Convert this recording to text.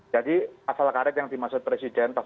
jadi asal karet yang dimasukkan ke dalam perpu